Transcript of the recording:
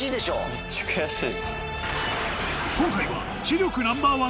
めっちゃ悔しい。